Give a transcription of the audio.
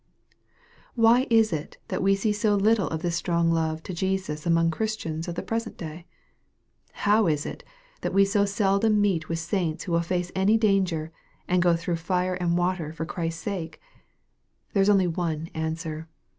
Why is it that we see so little of this strong love to Jesus among Christians of the present day ? How is it that we so seldom meet with saints who will face any danger, and go through fire and water for Christ's sake ? There is only one answer.